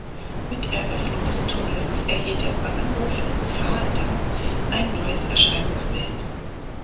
Mit Eröffnung des Tunnels erhielt der Bahnhof in Zaandam ein neues Erscheinungsbild.